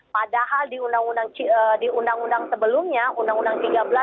padahal di undang undang sebelumnya undang undang tiga belas